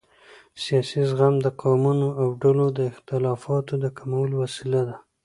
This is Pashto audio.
سیاسي زغم د قومونو او ډلو د اختلافاتو د کمولو وسیله ده